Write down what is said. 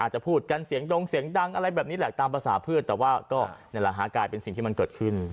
จะพูดกันเสียงดงเสียงดังอะไรแบบนี้แหละตามภาษาพืชแต่ว่าก็นี่แหละฮะกลายเป็นสิ่งที่มันเกิดขึ้น